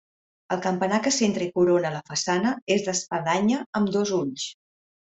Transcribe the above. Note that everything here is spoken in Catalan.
El campanar que centra i corona la façana és d'espadanya amb dos ulls.